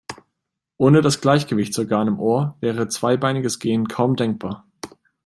Ohne das Gleichgewichtsorgan im Ohr wäre zweibeiniges Gehen kaum denkbar.